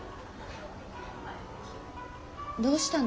どうしたの？